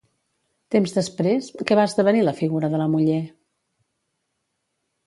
Temps després, què va esdevenir la figura de la muller?